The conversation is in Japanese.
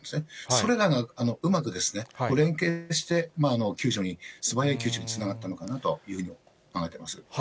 それらがうまく連携して、素早い救助につながったのかなというふうに考えています。